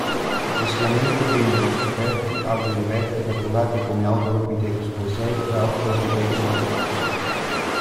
Successivamente vennero scoperti altri reperti catalogati come Autralopithecus Boisei e Australopithecus Robustus.